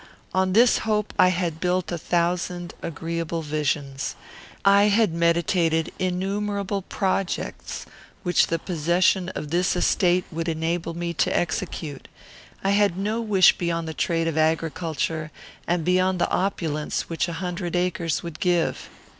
On this hope I had built a thousand agreeable visions. I had meditated innumerable projects which the possession of this estate would enable me to execute. I had no wish beyond the trade of agriculture, and beyond the opulence which a hundred acres would give.